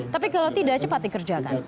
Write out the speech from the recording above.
tapi kalau tidak cepat dikerjakan